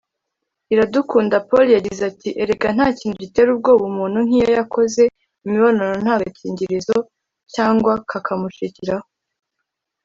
Iradukunda Paul yagize ati “ Erega nta kintu gitera ubwoba umuntu nk’iyo yakoze imibonano nta gakingirizo cyangwa kakamucikiraho